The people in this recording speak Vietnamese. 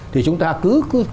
thì chúng ta cứ